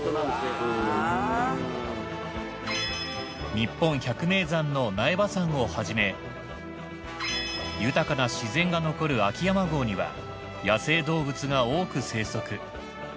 日本百名山の苗場山をはじめ豊かな自然が残る秋山郷には野生動物が多く生息。